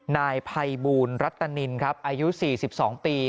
นายไพบูนรัฐตนินครับอายุ๔๒ปีครับ